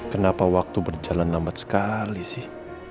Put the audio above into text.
kenapa waktu berjalan lambat sekali sih